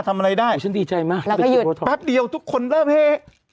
ทำอะไรได้ฉันดีใจมากแล้วก็หยุดแป๊บเดียวทุกคนเริ่มเฮ